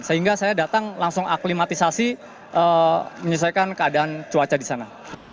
sehingga saya datang langsung aklimatisasi menyelesaikan keadaan cuaca di sana